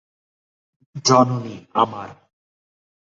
জননী আমার!